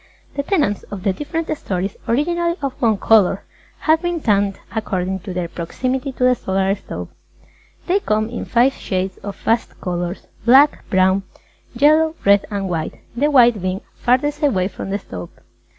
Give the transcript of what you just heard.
The tenants of the different stories, originally of one colour, have been tanned according to their proximity to the Solar Stove. They come in five shades of fast colours Black, Brown, Yellow, Red and White, the White being farthest away from the Stove.